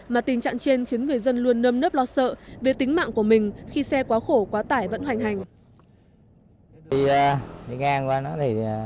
mà tình trạng trên khiến người dân luôn nâm nớp lo sợ về tính mạng của mình khi xe quá khổ quá tải vẫn hoành hành